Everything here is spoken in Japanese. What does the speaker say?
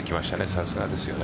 さすがですね。